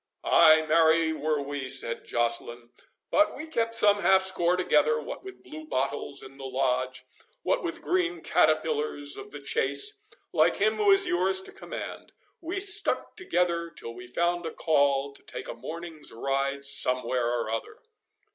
"Ay, marry, were we," said Joceline; "but we kept some half score together, what with blue bottles in the Lodge, what with green caterpillars of the chase, like him who is yours to command; we stuck together till we found a call to take a morning's ride somewhere or other."